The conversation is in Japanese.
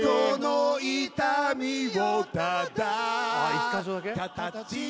１カ所だけ？